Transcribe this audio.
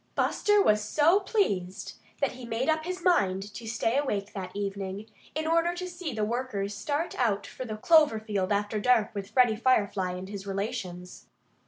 Buster was so pleased that he made up his mind to stay awake that evening, in order to see the workers start out for the clover field after dark with Freddie Firefly and his relations.